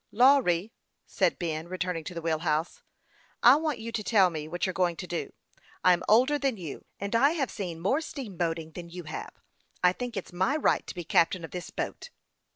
*' Lawry," said Ben, returning to the wheel house, " I want you to tell me what you are going to do. I'm older than you, and I have seen more steam boatiug than you have. I think it's my right to be captain of this boat."